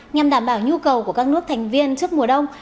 nhằm đảm bảo nhu cầu của các nước thành viên trước mùa đông